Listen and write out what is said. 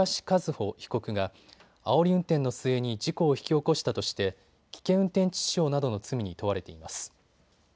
和歩被告があおり運転の末に事故を引き起こしたとして危険運転致死傷などの罪に問われています。